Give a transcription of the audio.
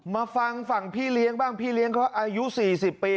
มาฟังฝั่งพี่เลี้ยงบ้างพี่เลี้ยงเขาอายุ๔๐ปี